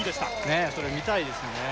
ねっそれ見たいですよね